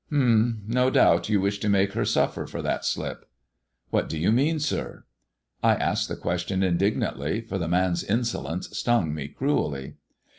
" H'm ! No doubt you wish to make her suffer for that slip." What do you mean, sir 1 " I asked the question indignantly, for the man's insolence stung me cruelly.